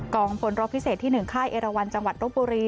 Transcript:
งพลรบพิเศษที่๑ค่ายเอราวันจังหวัดรบบุรี